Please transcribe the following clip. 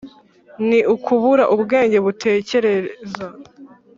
ni ukubura ubwenge butekereza.